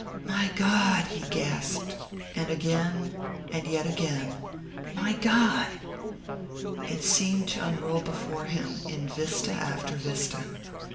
"My God," he gasped; and again, and yet again, "My God!" It seemed to unroll before him, in vista after vista.